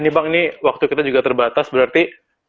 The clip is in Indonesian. nih bang ini waktu kita juga terbatas berarti